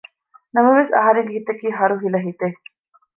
ނަމަވެސް އަހަރެންގެ ހިތަކީ ހަރުހިލަ ހިތެއް